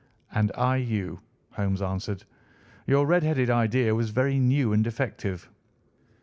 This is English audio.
"And I you," Holmes answered. "Your red headed idea was very new and effective."